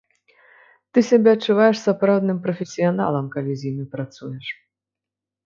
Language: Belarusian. Ты сябе адчуваеш сапраўдным прафесіяналам, калі з імі працуеш.